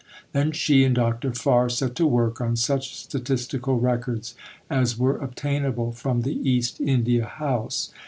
Then she and Dr. Farr set to work on such statistical records as were obtainable from the East India House.